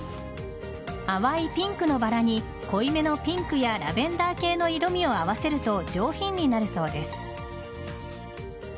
淡いピンクのバラに濃いめのピンクやラベンダー系の色味を合わせると上品になるそうです。